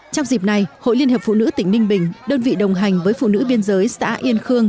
trong dịp này hội liên hiệp phụ nữ tỉnh ninh bình đơn vị đồng hành với phụ nữ biên giới xã yên khương